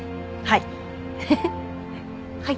はい。